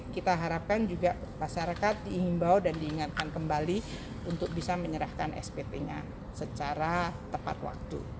kita harapkan juga masyarakat dihimbau dan diingatkan kembali untuk bisa menyerahkan spt nya secara tepat waktu